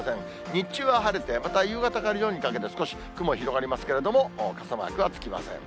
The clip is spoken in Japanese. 日中は晴れて、また夕方から夜にかけて少し雲広がりますけれども、傘マークがつきません。